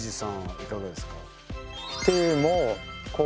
いかがですか？